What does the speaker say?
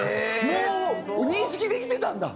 もう認識できてたんだ。